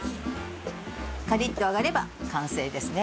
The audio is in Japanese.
カリッと揚がれば完成ですね。